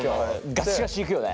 ガシガシいくよね。